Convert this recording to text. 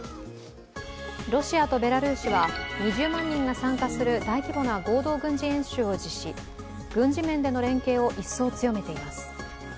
ロシアとベラルーシは２０万人が参加する大規模な合同軍事演習を実施、軍事面での連携を一層強めています。